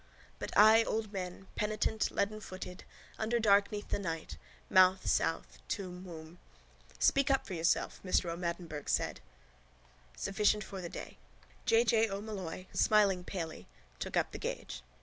_ But I old men, penitent, leadenfooted, underdarkneath the night: mouth south: tomb womb. —Speak up for yourself, Mr O'Madden Burke said. SUFFICIENT FOR THE DAY... J. J. O'Molloy, smiling palely, took up the gage.